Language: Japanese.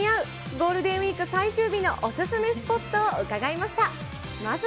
ゴールデンウィーク最終日のお勧めスポットを伺いました。